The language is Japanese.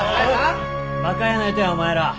バカやないとやお前ら。